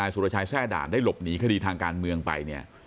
สุรชัยแทร่ด่านได้หลบหนีคดีทางการเมืองไปเนี่ย